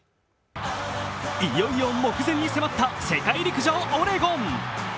いよいよ目前に迫った世界陸上オレゴン。